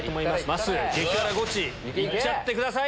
まっすー激辛ゴチいっちゃってください。